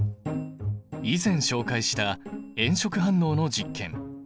以前紹介した炎色反応の実験。